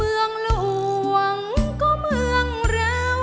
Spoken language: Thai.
เพลงที่สองเพลงมาครับ